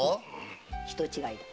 「人違いだ」